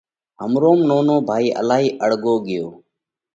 همروم نونو ڀائي الهائِي اۯڳو ڳيو